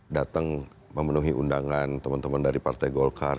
datang memenuhi undangan teman teman dari partai golkar